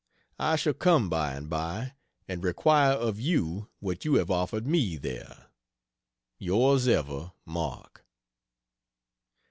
I shall come by and by and require of you what you have offered me there. Yours ever, MARK.